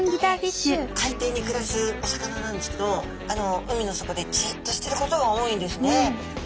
海底に暮らすお魚なんですけど海の底でじっとしてることが多いんですね。